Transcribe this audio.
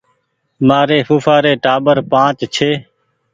مآري ڦوڦآ ري ٽآٻر پآنچ ڇي